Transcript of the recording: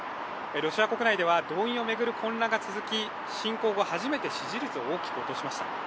ロシア国内では動員を巡る混乱が続き、侵攻後初めて支持率を大きく落としました。